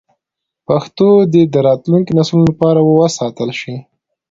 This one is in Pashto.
پښتو دې د راتلونکو نسلونو لپاره وساتل شي.